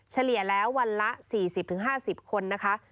เฉลี่ยแล้ววันละ๔๐๕๐คนนะคะ